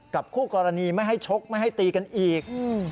คู่กรณีไม่ให้ชกไม่ให้ตีกันอีก